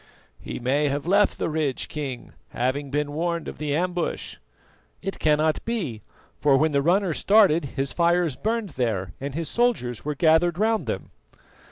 "He may have left the ridge, King, having been warned of the ambush." "It cannot be, for when the runner started his fires burned there and his soldiers were gathered round them."